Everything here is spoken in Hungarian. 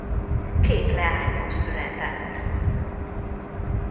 Két leányuk született.